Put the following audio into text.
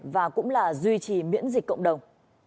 và cũng là duy trì miễn dịch cộng đồng